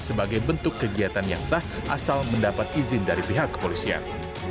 sebagai bentuk kegiatan yang sah asal mendapat izin dari pihak kepolisian